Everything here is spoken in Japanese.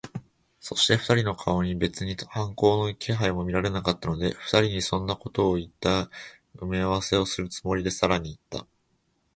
そして、二人の顔に別に反抗の気配も見られなかったので、二人にそんなことをいった埋合せをするつもりで、さらにいった。